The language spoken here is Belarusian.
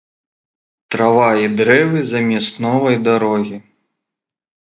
Трава і дрэвы замест новай дарогі.